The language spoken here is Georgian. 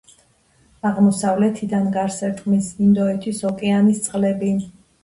აღმოსავლეთიდან გარს ერტყმის ინდოეთის ოკეანის წყლები.